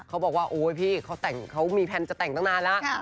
เขาบอกว่าโอ๊ยพี่เขามีแพลนจะแต่งตั้งนานแล้ว